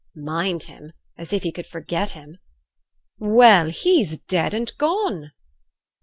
Mind him! As if he could forget him. 'Well! he's dead and gone.'